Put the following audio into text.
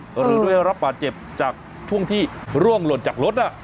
หรือด้วยรับป่าเจ็บจากช่วงที่ร่วงหล่นจากรถน่ะ